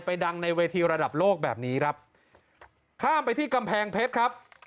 ดังในเวทีระดับโลกแบบนี้ครับข้ามไปที่กำแพงเพชรครับ